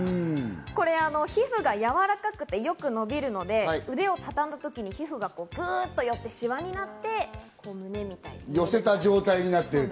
皮膚がやわらかくてよく伸びるので、腕をたたむ時に、皮膚がぐっと寄って、シワになって胸みたいになっている。